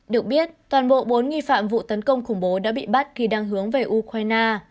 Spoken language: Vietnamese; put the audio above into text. được biết toàn bộ bốn nghi phạm vụ tấn công khủng bố đã bị bắt khi đang hướng về ukraine